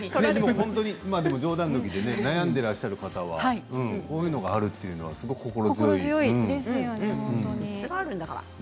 冗談ぬきで悩んでらっしゃる方はこういうのがあるとすごく心強いですね。